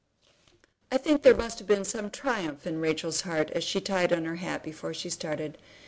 I think there must have been some triumph in Rachel's heart as she tied on her hat before she started.